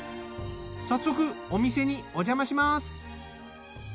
早速お店におじゃまします。